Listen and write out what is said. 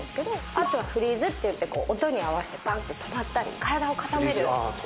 あとは、フリーズっていって音に合わせて、ばんって止まったり、体を固める。